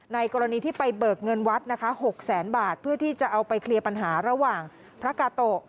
กรณีที่ไปเบิกเงินวัดนะคะ๖แสนบาทเพื่อที่จะเอาไปเคลียร์ปัญหาระหว่างพระกาโตะ